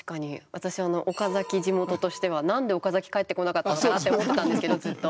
私岡崎地元としては何で岡崎帰ってこなかったのかなって思ってたんですけどずっと。